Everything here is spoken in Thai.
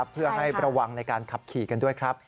เพื่อให้ระวังในการขับขี่กันด้วยครับ